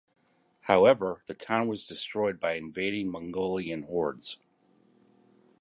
However, the town was destroyed by invading Mongolian hordes.